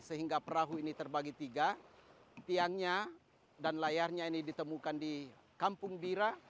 sehingga perahu ini terbagi tiga tiangnya dan layarnya ini ditemukan di kampung bira